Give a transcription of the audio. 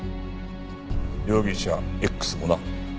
容疑者Ｘもな。